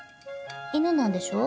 犬なんでしょう？